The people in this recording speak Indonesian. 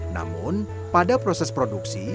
namun pada proses produksi